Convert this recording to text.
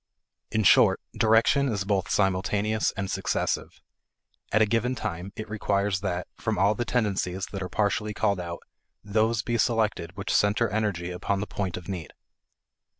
In short, direction is both simultaneous and successive. At a given time, it requires that, from all the tendencies that are partially called out, those be selected which center energy upon the point of need.